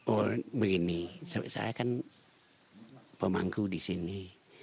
oh begini saya kan pemangku di sini